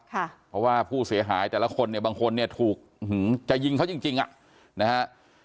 เพราะว่าผู้เสียหายแต่ละคนเนี่ยบางคนเนี่ยถูกจะยิงเขาจริงอ่ะนะฮะ